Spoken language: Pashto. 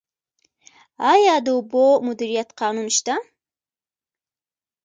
آیا د اوبو مدیریت قانون شته؟